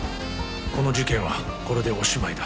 この事件はこれでおしまいだ